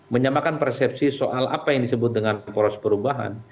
menyamakan persepsi soal apa yang disebut dengan poros perubahan